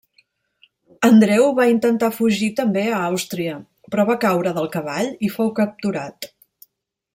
Andreu va intentar fugir també a Àustria, però va caure del cavall i fou capturat.